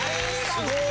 すごい！